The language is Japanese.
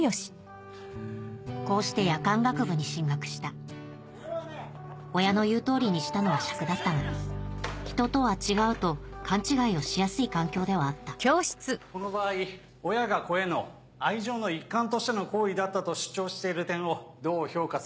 こうして夜間学部に進学した親の言う通りにしたのはしゃくだったが「人とは違う」と勘違いをしやすい環境ではあったこの場合親が子への愛情の一環としての行為だったと主張している点をどう評価するかが。